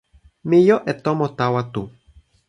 mi jo e tomo tawa tu.